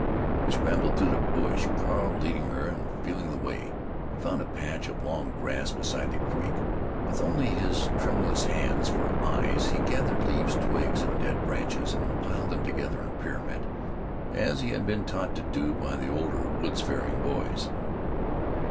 They scrambled through the brush, Carl leading her and feeling the way. He found a patch of long grass beside the creek; with only his tremulous hands for eyes he gathered leaves, twigs, and dead branches, and piled them together in a pyramid, as he had been taught to do by the older woods faring boys.